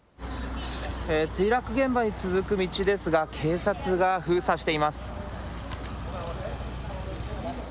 墜落現場に続く道ですが、警察が封鎖しています。